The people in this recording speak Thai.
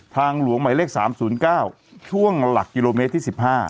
ทางหลวงหมายเลข๓๐๙ช่วงหลักกิโลเมตรที่๑๕